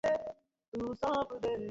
আমি যাচ্ছি, স্যার।